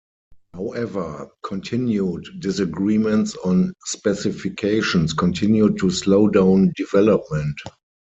However, continued disagreements on specifications continued to slow down development.